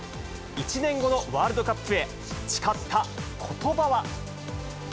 １年後のワールドカップへ、誓ったことばは。